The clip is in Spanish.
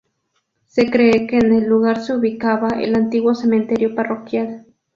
Se cree que en el lugar se ubicaba el antiguo cementerio parroquial.